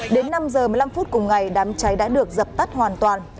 đến năm h một mươi năm phút cùng ngày đám cháy đã được dập tắt hoàn toàn